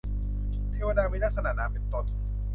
เทวดามีลักษณะนามเป็นตน